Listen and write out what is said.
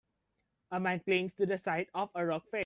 A man clings to the side of a rock face.